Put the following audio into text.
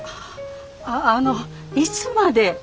あのいつまで？